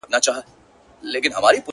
لمبه دي نه کړم سپیلنی دي نه کړم -